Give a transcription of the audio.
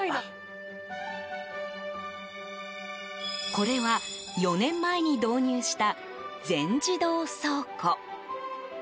これは４年前に導入した全自動倉庫。